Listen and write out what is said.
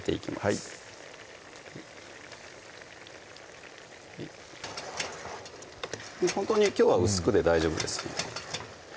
はいほんとにきょうは薄くで大丈夫です